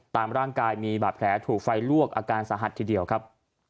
ตามร่างกายมีบาดแผลถูกไฟลวกอาการสาหัสทีเดียวครับ